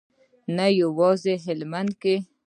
نه یوازې هلمند کې.